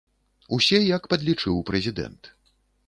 Усе як падлічыў прэзідэнт.